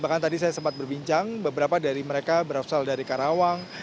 bahkan tadi saya sempat berbincang beberapa dari mereka berasal dari karawang